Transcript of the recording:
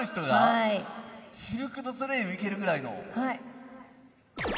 シルク・ドゥ・ソレイユいけるぐらいの？